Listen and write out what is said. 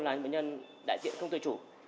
làm cho bệnh nhân đại diện không tự chủ